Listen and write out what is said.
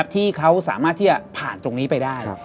ที่เขาสามารถที่จะผ่านตรงนี้ไปได้